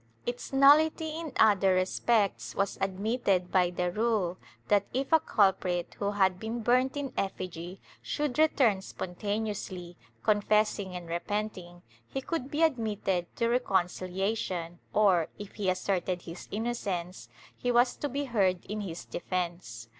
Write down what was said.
Its nullity in other respects was admitted by the rule that, if a culprit who had been burnt in effigy should return spontaneously, con fessing and repenting, he could be admitted to reconcihation or, if he asserted his innocence, he was to be heard in his defence.